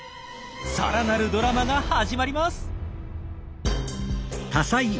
さらなるドラマが始まります。